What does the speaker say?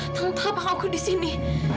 tangkap panggungku disini